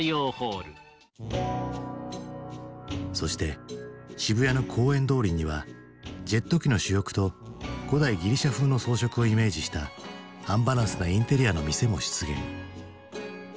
そして渋谷の公園通りにはジェット機の主翼と古代ギリシャ風の装飾をイメージしたアンバランスなインテリアの店も出現。